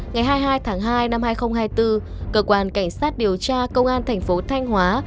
ngày hai mươi hai tháng hai năm hai nghìn hai mươi bốn cơ quan cảnh sát điều tra công an thành phố thanh hóa